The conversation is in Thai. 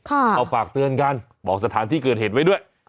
ก็ฝากเตือนกันบอกสถานที่เกิดเหตุไว้ด้วย